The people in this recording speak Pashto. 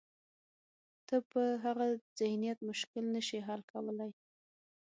ته په هغه ذهنیت مشکل نه شې حل کولای.